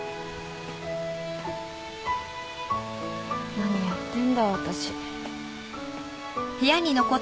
何やってんだ私。